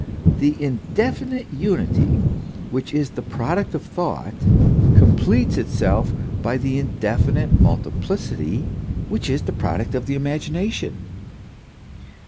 The indefinite unity which is the product of thought, completes itself by the indefinite multi plicity which is the product of the imagination.